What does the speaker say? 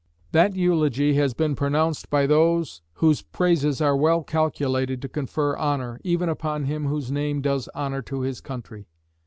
That eulogy has been pronounced by those whose praises are well calculated to confer honor, even upon him whose name does honor to his country.